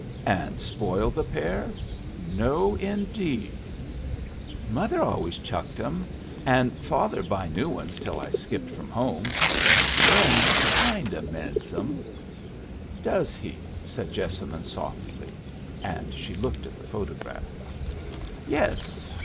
"And spoil the pair? No, indeed!" "Mother always chucked 'em, an' father'd buy new ones till I skipped from home. Lin kind o' mends 'em." "Does he?" said Jessamine, softly. And she looked at the photograph. "Yes.